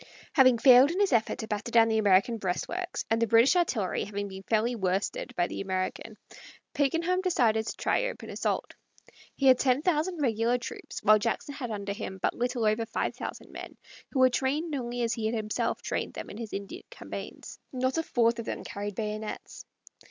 Having failed in his effort to batter down the American breastworks, and the British artillery having been fairly worsted by the American, Pakenham decided to try open assault. He had ten thousand regular troops, while Jackson had under him but little over five thousand men, who were trained only as he had himself trained them in his Indian campaigns. Not a fourth of them carried bayonets.